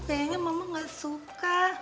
kayaknya mama gak suka